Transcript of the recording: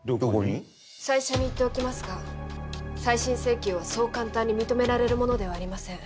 最初に言っておきますが再審請求はそう簡単に認められるものではありません。